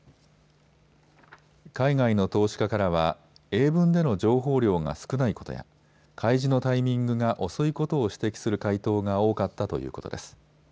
海外の投資家からは英文での情報量が少ないことや開示のタイミングが遅いことを指摘する回答が多かったということです。